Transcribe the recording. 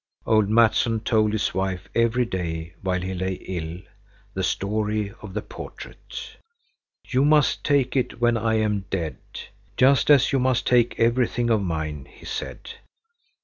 Old Mattsson told his wife, every day while he lay ill, the story of the portrait. "You must take it when I am dead, just as you must take everything of mine," he said.